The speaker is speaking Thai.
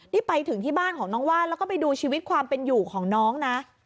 นี่ไปถึงที่บ้านของน้องว่านแล้วก็ไปดูชีวิตความเป็นอยู่ของน้องนะ